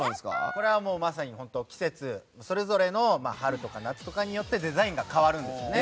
これはまさに季節それぞれの春とか夏とかによってデザインが変わるんですよね。